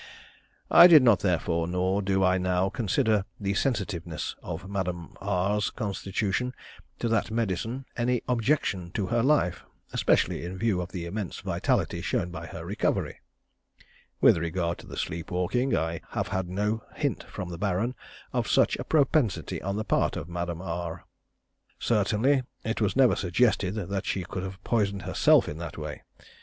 I did not, therefore, nor do I now, consider the sensitiveness of Madame R's constitution to that medicine any objection to her life, especially in view of the immense vitality shown by her recovery. With regard to the sleep walking, I have had no hint from the Baron of such a propensity on the part of Madame R. Certainly it was never suggested that she could have poisoned herself in that way.